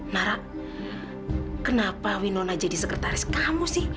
nara kenapa winona jadi sekretaris kamu sih